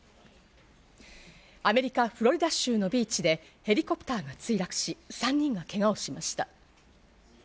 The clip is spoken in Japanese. アメリカ、フロリダ州のビーチでヘリコプターが墜落し、３人がけがをしました。